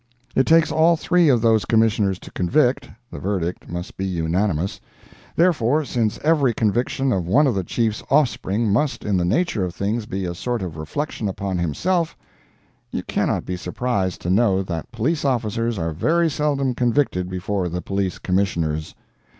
It takes all three of those commissioners to convict—the verdict must be unanimous—therefore, since every conviction of one of the Chief's offspring must in the nature of things be a sort of reflection upon himself, you cannot be surprised to know that police officers are very seldom convicted before the Police commissioners.